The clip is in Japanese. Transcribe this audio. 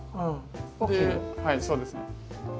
はいそうですね。